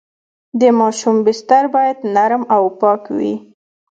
د ماشوم بستر باید نرم او پاک وي۔